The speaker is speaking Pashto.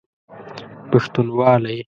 پښتونوالی